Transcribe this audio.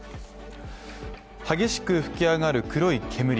激しく噴き上がる黒い煙。